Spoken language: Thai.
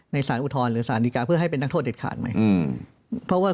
ในศาลอุทธรรมหรือศาลดิการเพื่อให้เป็นนักโทษเด็ดขาดใหม่